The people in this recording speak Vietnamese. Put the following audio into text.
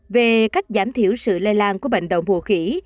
về cách giảm thiểu sự lây lan của bệnh động mùa khỉ